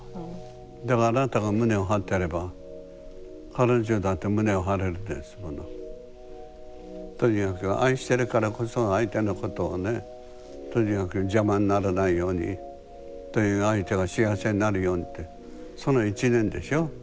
だからあなたが胸を張ってればとにかく愛してるからこそ相手のことをねとにかく邪魔にならないようにで相手が幸せになるようにってその一念でしょ。